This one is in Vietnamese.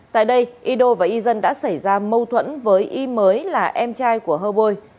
tại đây ido và izan đã xảy ra mâu thuẫn với i mới là em trai của hơ bôi